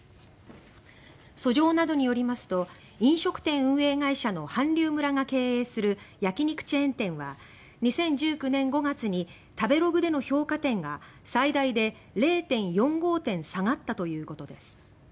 訴状などによりますと飲食店運営会社の韓流村が運営する焼き肉チェーン店は２０１９年５月に食べログでの評価点が最大で０．４５点下がったということです。